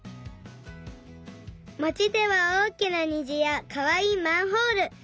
まちではおおきなにじやかわいいマンホール。